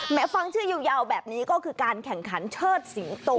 ฟังชื่อยาวแบบนี้ก็คือการแข่งขันเชิดสิงโต